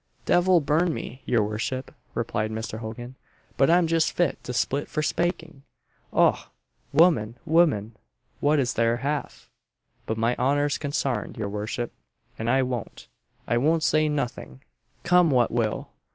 "Devil burn me! your worchip," replied Mr. Hogan "but I'm just fit to split for spaking! Och! woman, woman! what is there half? but my honour's consarned, your worchip, and I won't I won't say nothing, come what will!"